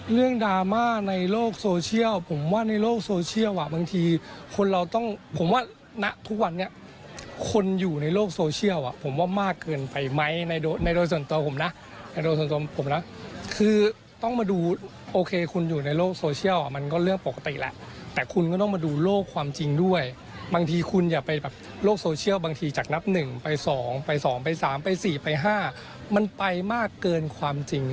เรื่องดราม่าในโลกโซเชียลผมว่าในโลกโซเชียลอ่ะบางทีคนเราต้องผมว่านะทุกวันนี้คนอยู่ในโลกโซเชียลอ่ะผมว่ามากเกินไปไหมในโดยส่วนตัวผมนะในโดยส่วนตัวผมนะคือต้องมาดูโอเคคุณอยู่ในโลกโซเชียลอ่ะมันก็เรื่องปกติละแต่คุณก็ต้องมาดูโลกความจริงด้วยบางทีคุณอย่าไปแบบโลกโซเชียลบางทีจากนั